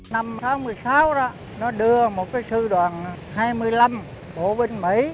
năm một nghìn chín trăm sáu mươi sáu đó nó đưa một cái sư đoàn hai mươi năm bộ binh mỹ